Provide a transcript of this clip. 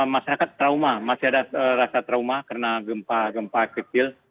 masyarakat trauma masih ada rasa trauma karena gempa gempa kecil